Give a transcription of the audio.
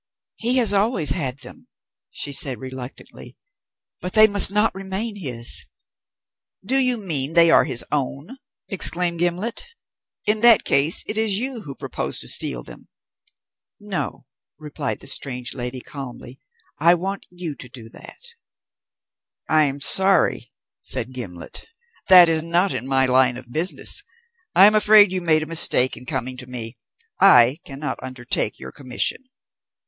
"He has always had them," she said reluctantly; "but they must not remain his." "Do you mean they are his own?" exclaimed Gimblet. "In that case it is you who propose to steal them!" "No," replied the strange lady calmly. "I want you to do that." "I'm sorry," said Gimblet; "that is not in my line of business. I'm afraid you made a mistake in coming to me. I cannot undertake your commission."